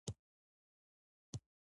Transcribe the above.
دوه زامن غلي کېناستل.